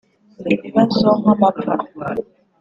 Ibibazo nkamapfa